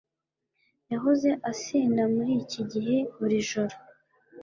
yahoze asinda muri iki gihe buri joro